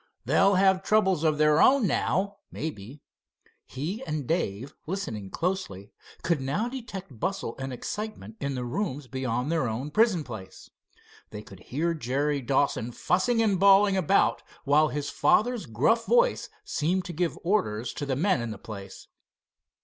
"They'll have troubles of their own now, maybe." He and Dave listening closely, could now detect bustle and excitement in the rooms beyond their own prison place. They could hear Jerry Dawson fussing and bawling about, while his father's gruff voice seemed to give orders to the men in the place.